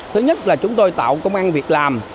thứ nhất là chúng tôi tạo công an việc làm